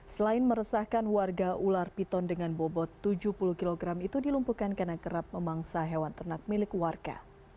selain meresahkan warga ular piton dengan bobot tujuh puluh kg itu dilumpuhkan karena kerap memangsa hewan ternak milik warga